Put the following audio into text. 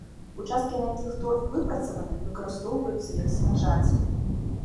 Участкі, на якіх торф выпрацаваны, выкарыстоўваюцца як сенажаці.